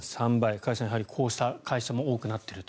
加谷さん、やはりこうした会社も多くなっていると。